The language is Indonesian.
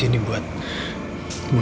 terima kasih ma